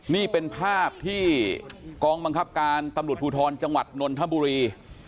นี่เป็นภาพที่กองบังคับการตำรวจภูทรจังหวัดนนทบุรี